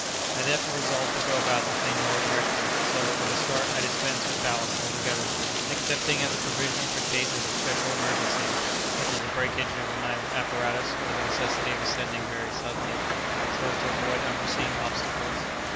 "I therefore resolved to go about the thing more directly; so, at the start, I dispensed with ballast altogether, excepting as a provision for cases of special emergency, such as the breakage of my apparatus, or the necessity of ascending very suddenly, so as to avoid unforeseen obstacles.